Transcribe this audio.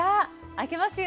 開けますよ。